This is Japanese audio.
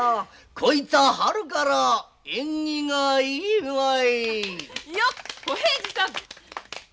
こいつは春から縁起がいいわえ！